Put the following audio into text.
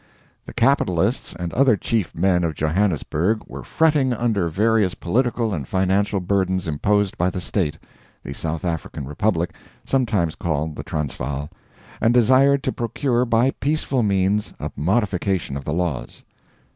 The capitalists and other chief men of Johannesburg were fretting under various political and financial burdens imposed by the State (the South African Republic, sometimes called "the Transvaal") and desired to procure by peaceful means a modification of the laws.